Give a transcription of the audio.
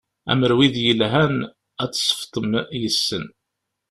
Amer wid yelhan ad tt-ṣefḍem yes-sen.